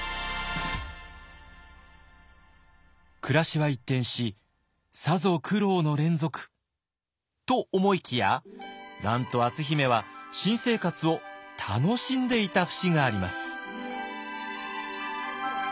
暮らしは一転しさぞ苦労の連続と思いきやなんと篤姫は新生活を楽しんでいた節があります。